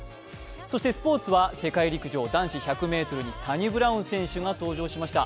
そしてスポーツは世界陸上男子１００ｍにサニブラウン選手が登場しました。